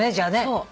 そう。